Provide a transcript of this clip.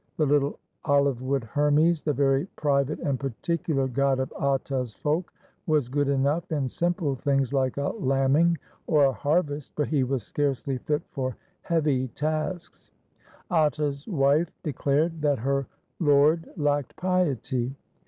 The little olive wood Hermes, the very private and particular god of Atta's folk, was good enough in simple things like a lambing or a harvest, but he was scarcely fit for heavy tasks. Atta's wife declared that her lord lacked piety.